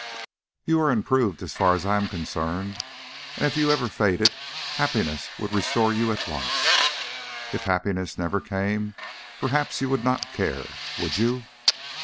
"You are improved as far as I am concerned. And if you ever faded, happiness would restore you at once. If happiness never came, perhaps you would not care would you?"